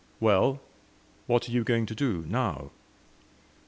"Well, what are you going to do now?"